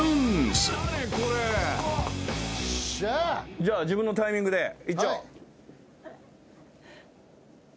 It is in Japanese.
じゃあ自分のタイミングでいっちゃおう。